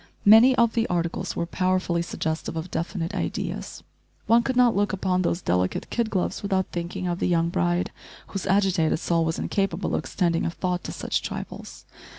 Many of the articles were powerfully suggestive of definite ideas. One could not look upon those delicate kid gloves without thinking of the young bride, whose agitated soul was incapable of extending a thought to such trifles.